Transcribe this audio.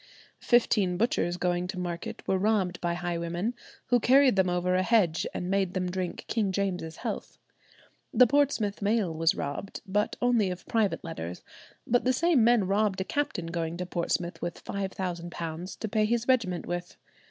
Fifteen butchers going to market were robbed by highwaymen, who carried them over a hedge and made them drink King James's health. The Portsmouth mail was robbed, but only of private letters; but the same men robbed a captain going to Portsmouth with £5,000 to pay his regiment with.